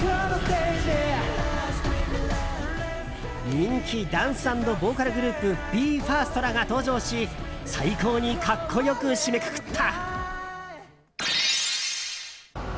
人気ダンス＆ボーカルグループＢＥ：ＦＩＲＳＴらが登場し最高に格好よく締めくくった。